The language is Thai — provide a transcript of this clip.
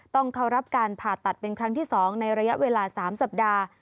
ต้องเข้ารับการผ่าตัดเป็นครั้งที่๒ในระยะเวลา๓สัปดาห์